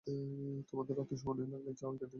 তোমার আত্মসম্মান এ লাগলে, যাও এইখান থেইক্কা।